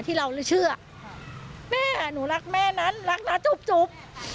ที่เราเลยเชื่อแม่หนูรักแม่นั้นรักน้าจุ๊บจุ๊บ